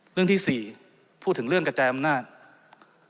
เรื่องที่สี่พูดถึงเรื่องกระแจมนาฬ